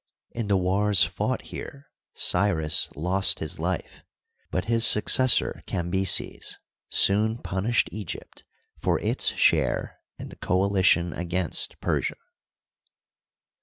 In the wars fought here Cyrus lost his life ; but his suc cessor, Cambyses, soon punished Egypt for its share in the coalition against Persia.